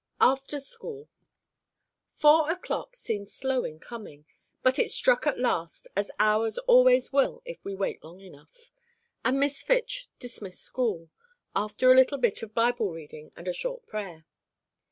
AFTER SCHOOL. Four o'clock seemed slow in coming; but it struck at last, as hours always will if we wait long enough; and Miss Fitch dismissed school, after a little bit of Bible reading and a short prayer.